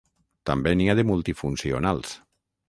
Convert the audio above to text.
També n'hi ha de multifuncionals.